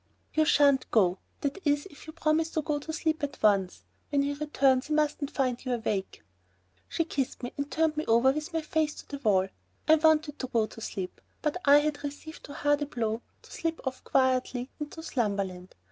"You shan't go, that is if you promise to go to sleep at once. When he returns he mustn't find you awake." She kissed me and turned me over with my face to the wall. I wanted to go to sleep, but I had received too hard a blow to slip off quietly into slumberland.